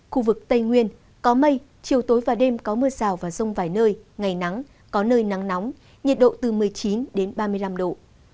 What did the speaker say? khu vực tây nguyên có mây chiều tối và đêm có mưa rào và rông vài nơi ngày nắng có nơi nắng nóng nhiệt độ từ một mươi chín đến ba mươi năm độ